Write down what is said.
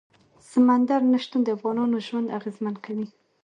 سمندر نه شتون د افغانانو ژوند اغېزمن کوي.